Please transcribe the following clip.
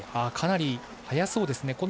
かなり速そうですね。